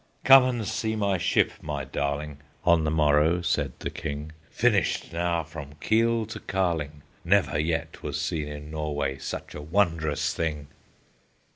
"Come and see my ship, my darling!" On the morrow said the King; "Finished now from keel to carling; Never yet was seen in Norway Such a wondrous thing!"